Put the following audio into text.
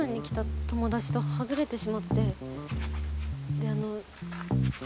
であの。